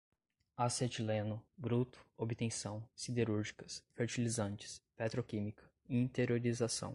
acetileno, bruto, obtenção, siderúrgicas, fertilizantes, petroquímica, interiorização